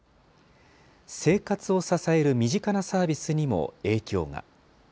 生活を支える身近なサービスにも影響が。